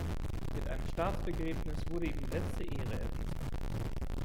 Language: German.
Mit einem Staatsbegräbnis wurde ihm die letzte Ehre erwiesen.